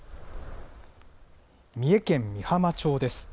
三重県御浜町です。